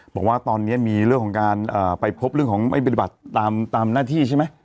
บอกว่าตอนนี้มีเรื่องของการไปพบเรื่องของไม่ปฏิบัติตามหน้าที่ใช่ไหม